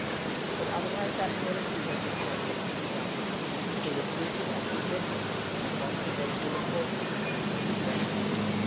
But otherwise that sort of humor is carefully to be shunned ; for reproof is often bitter, and wants a great deal of caution to sweeten and correct it.